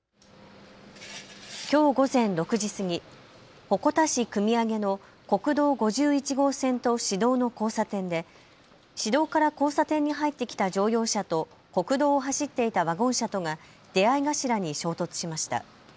きょう午前６時過ぎ、鉾田市汲上の国道５１号線と市道の交差点で市道から交差点に入ってきた乗用車と国道を走っていたワゴン車とが出合い頭に衝突しました。